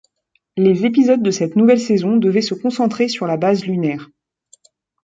Les épisodes de cette nouvelle saison devaient se concentrer sur la base lunaire.